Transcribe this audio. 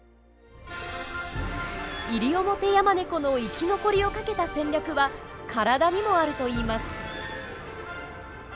イリオモテヤマネコの生き残りをかけた戦略は体にもあるといいます。